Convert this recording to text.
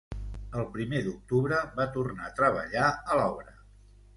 El primer d'octubre va tornar a treballar a l'obra.